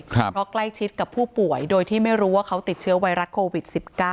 เพราะใกล้ชิดกับผู้ป่วยโดยที่ไม่รู้ว่าเขาติดเชื้อไวรัสโควิด๑๙